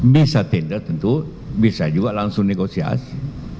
bisa tenda tentu bisa juga langsung negosiasi